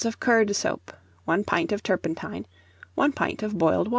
of curd soap, 1 pint of turpentine, 1 pint of boiled water.